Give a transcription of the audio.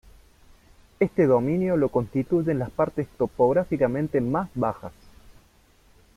Este dominio lo constituyen las partes topográficamente más bajas.